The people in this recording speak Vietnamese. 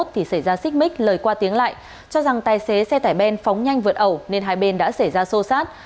thì xảy ra xích mích lời qua tiếng lại cho rằng tài xế xe tải ben phóng nhanh vượt ẩu nên hai bên đã xảy ra xô xát